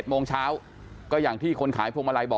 จนกระทั่งหลานชายที่ชื่อสิทธิชัยมั่นคงอายุ๒๙เนี่ยรู้ว่าแม่กลับบ้าน